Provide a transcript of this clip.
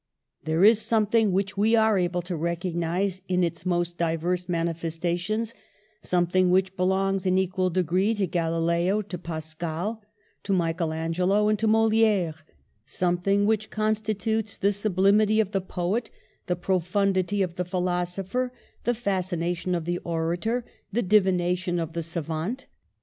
There is something which we are able to recog nise in its most diverse manifestations, some thing which belongs in equal degree to Galileo, to Pascal, to Michelangelo and to Moliere; something which constitutes the sublimity of the poet, the profundity of the philosopher, the fascination of the orator, the divination of the savant.